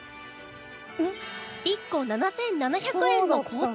１個７７００円の高級品